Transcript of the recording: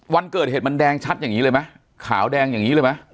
วันเกิดเหตุมันแดงชัดอย่างนี้เลยไหมขาวแดงอย่างนี้เลยไหม